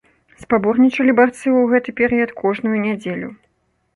Спаборнічалі барцы ў гэты перыяд кожную нядзелю.